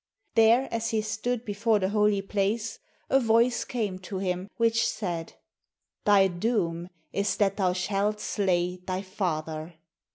There, as he stood before the holy place, a voice came to him which said, "Thy doom is that thou shalt slay thy father."